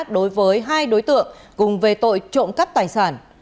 đối với hai đối tượng cùng về tội trộm cắt tài sản